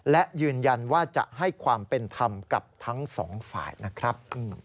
และยืนยันว่าจะให้ความเป็นธรรมกับทั้งสองฝ่ายนะครับ